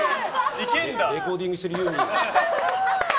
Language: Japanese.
レコーディングしてるユーミン。